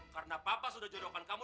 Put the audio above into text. karena papa sudah jodohkan kamu